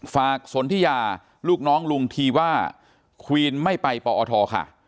สนทิยาลูกน้องลุงทีว่าควีนไม่ไปปอทค่ะ